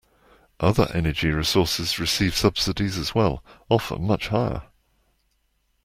Other energy sources receive subsidies as well, often much higher.